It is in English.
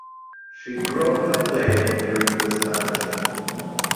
She broke her flail during this banishing.